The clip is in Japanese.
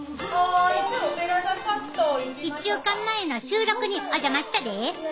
１週間前の収録にお邪魔したで！